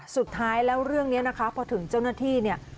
สุดท้ายแล้วเรื่องนี้นะคะพอถึงเจ้าหน้าที่เนี่ย